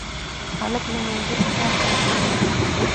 هلک له زړګي احساس څرګندوي.